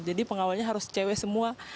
jadi pengawalnya harus cewe semua